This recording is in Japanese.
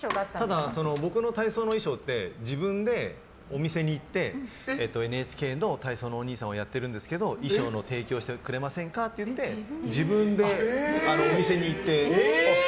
ただ、僕の体操の衣装って自分でお店に行ってＮＨＫの体操のおにいさんをやってるんですけど衣装の提供してくれませんかって言って自分でお店に行って。